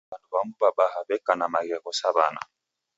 W'andu w'amu w'abaha w'eka na maghesho sa w'ana